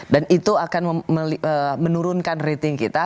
dan itu akan menurunkan rating kita